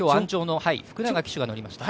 鞍上は福永騎手が乗りました。